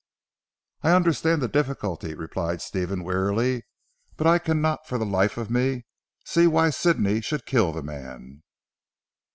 "I understand the difficulty," replied Stephen wearily, "but I cannot for the life of me see why Sidney should kill the man."